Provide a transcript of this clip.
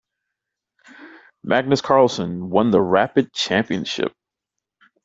Magnus Carlsen won the Rapid Championship.